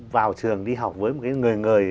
vào trường đi học với một người người